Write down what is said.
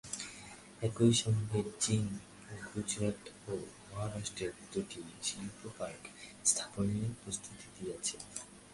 একই সঙ্গে চীন গুজরাট ও মহারাষ্ট্রে দুটি শিল্পপার্ক স্থাপনের প্রতিশ্রুতি দিয়েছে।